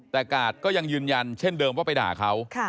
แต่กาดก็ยังยืนยันเช่นเดิมว่าไปด่าเขา